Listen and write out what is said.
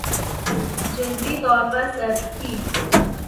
جزوی طور پر سرد تھِی